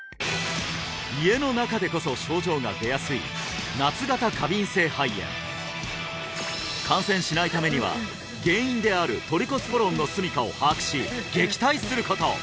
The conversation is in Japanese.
家の中でこそ症状が出やすい夏型過敏性肺炎感染しないためには原因であるトリコスポロンのすみかを把握し撃退すること